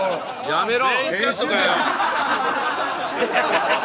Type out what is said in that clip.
やめろ！